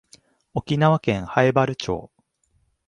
沖縄県南風原町